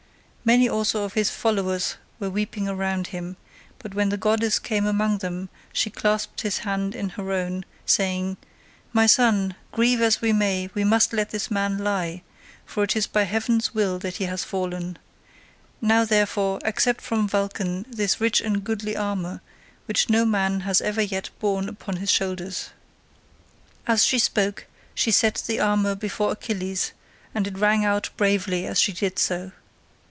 Many also of his followers were weeping round him, but when the goddess came among them she clasped his hand in her own, saying, "My son, grieve as we may we must let this man lie, for it is by heaven's will that he has fallen; now, therefore, accept from Vulcan this rich and goodly armour, which no man has ever yet borne upon his shoulders." As she spoke she set the armour before Achilles, and it rang out bravely as she did so.